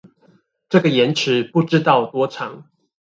這個延遲不知道多長